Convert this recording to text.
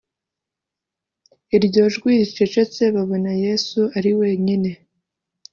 Iryo jwi ricecetse babona Yesu ari wenyine